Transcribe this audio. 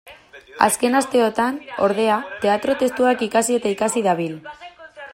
Azken asteotan, ordea, teatro-testuak ikasi eta ikasi dabil.